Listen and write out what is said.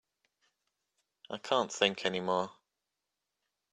I can't think any more.